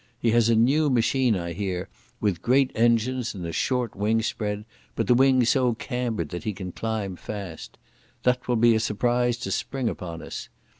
He has a new machine, I hear, with great engines and a short wingspread, but the wings so cambered that he can climb fast. That will be a surprise to spring upon us.